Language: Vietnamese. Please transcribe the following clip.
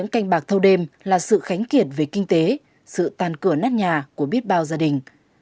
canh bạc thâu đêm là sự khánh kiệt về kinh tế sự tàn cửa nắt nhà của biết bao gia đình